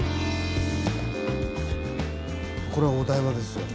これはお台場ですよ。